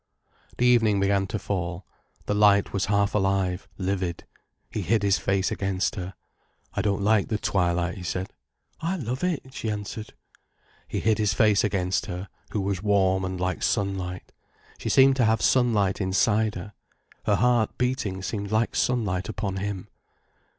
The evening began to fall, the light was half alive, livid. He hid his face against her. "I don't like the twilight," he said. "I love it," she answered. He hid his face against her, who was warm and like sunlight. She seemed to have sunlight inside her. Her heart beating seemed like sunlight upon him.